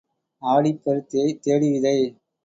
ஆடிப் பருத்தியைத் தேடி விதை.